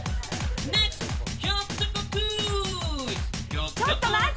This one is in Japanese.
ちょっと待って！